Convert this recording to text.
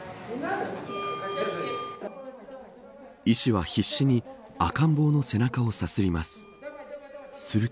医師は必死に赤ん坊の背中をさすります。